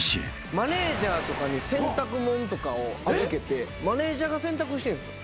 マネジャーとかに洗濯物とかを預けてマネジャーが洗濯してんすよ。